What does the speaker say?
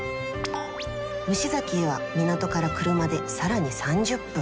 虫崎へは港から車で更に３０分。